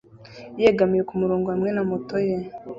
yegamiye kumurongo hamwe na moto ye